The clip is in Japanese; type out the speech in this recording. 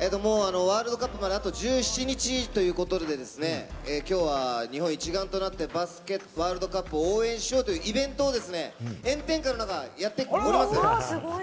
ワールドカップまであと１７日ということでですね、きょうは日本一丸となってバスケワールドカップを応援しようというイベントを炎天下の中やっております。